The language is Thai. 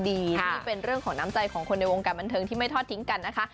นี่เป็นเรื่องของน้ำใจของคนในวงการบันเทิงที่ไม่ทอดทิ้งกันนะคะ